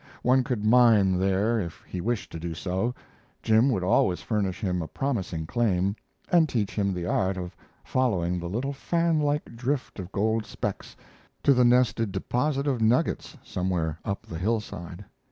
One could mine there if he wished to do so; Jim would always furnish him a promising claim, and teach him the art of following the little fan like drift of gold specks to the nested deposit of nuggets somewhere up the hillside.